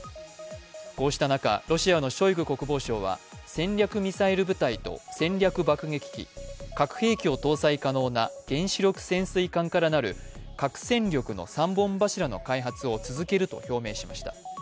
こうした中、ロシアのショイグ国防相は戦略ミサイル部隊と戦略爆撃機、核兵器を搭載可能な原子力潜水艦から成る核戦力の３本柱の開発を続けると表明しました。